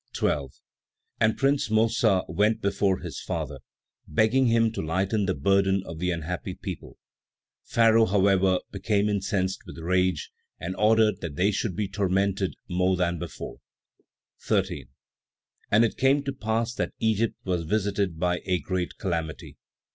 12. Prince Mossa went before his father, begging him to lighten the burden of the unhappy people; Pharaoh, however, became incensed with rage, and ordered that they should be tormented more than before. 13. And it came to pass that Egypt was visited by a great calamity.